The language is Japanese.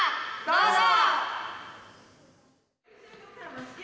どうぞ！